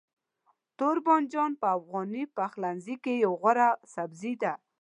توربانجان په افغاني پخلنځي کې یو غوره سبزی دی.